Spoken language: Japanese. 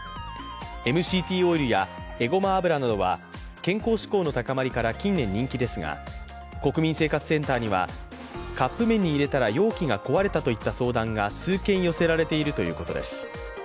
ＭＣＴオイルやえごま油などは健康志向の高まりから近年人気ですが国民生活センターにはカップ麺に入れたら容器が壊れたといった相談が数件寄せられているということです。